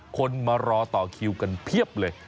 คนมารอต่อคิวกันเพียบเลย